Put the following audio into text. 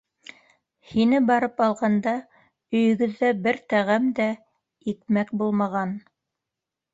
Һине барып алғанда, өйөгөҙҙә бер тәғәм дә икмәк булмаған.